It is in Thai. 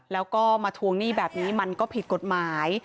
แล้วก็มาทวงหนี้แบบนี้มันก็ผิดกฎหมาย